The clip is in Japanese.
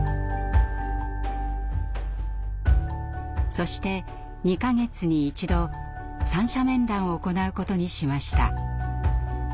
そして２か月に１度三者面談を行うことにしました。